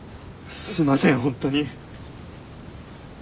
すいません本当に。